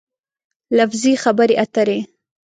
لفظي خبرې اترې